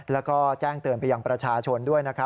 แล้วก็แจ้งเตือนไปยังประชาชนด้วยนะครับ